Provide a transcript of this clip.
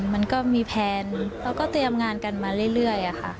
มันก็มีแพลนแล้วก็เตรียมงานกันมาเรื่อยค่ะ